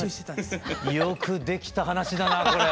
よくできた話だなこれ。